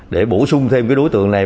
để bổ sung thêm cái đối tượng này